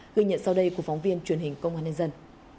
ghi nhận sau đây của phóng viên truyền hình công an nhân dân